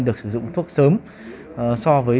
được sử dụng thuốc sớm so với